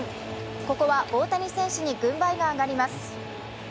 ここは大谷選手に軍配が上がります。